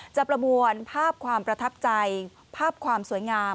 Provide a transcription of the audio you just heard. ประมวลภาพความประทับใจภาพความสวยงาม